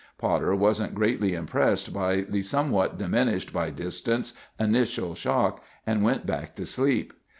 Potter wasn't greatly impressed by the somewhat diminished by distance initial shock, and went back to sleep.